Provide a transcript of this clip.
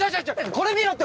これ見ろって！